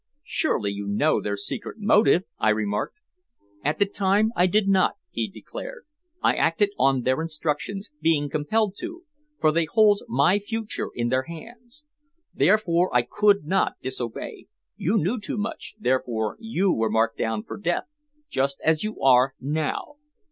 "Surely you know their secret motive?" I remarked. "At the time I did not," he declared. "I acted on their instructions, being compelled to, for they hold my future in their hands. Therefore I could not disobey. You knew too much, therefore you were marked down for death just as you are now."